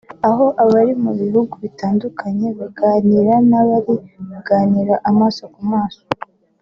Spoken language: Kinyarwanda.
aho abari mu bihugu bitandukanye baganira nk’abari kumwe amaso ku maso